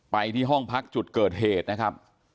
ไปที่ห้องพักจุดเกิดเหตุนะครับ